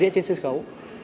trên sân khấu